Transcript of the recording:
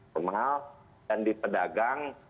kemahal dan di pedagang